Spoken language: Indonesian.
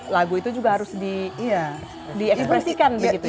lagu itu juga harus di ekspresikan begitu ya